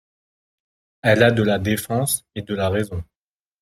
Elle a de la défense et de la raison…